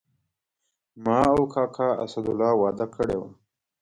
ما او کاکا اسدالله وعده کړې وه.